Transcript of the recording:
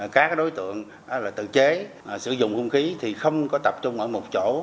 các đối tượng tự chế sử dụng hung khí thì không có tập trung ở một chỗ